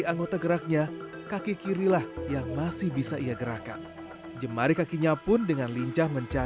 nggak banyak ya ternyata ya pindahnya